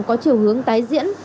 có chiều hướng tái diễn